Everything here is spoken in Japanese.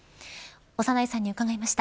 長内さんに伺いました。